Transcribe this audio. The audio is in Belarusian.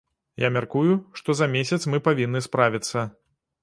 Я мяркую, што за месяц мы павінны справіцца.